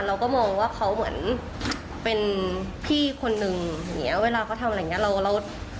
เราก็มองว่าเขาเหมือนเป็นพี่คนนึงอย่างเงี้ยเวลาเขาทำอะไรอย่างเงี้ย